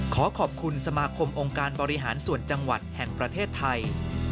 ขอขอบคุณสมาคมองค์การบริหารส่วนจังหวัดแห่งประเทศไทย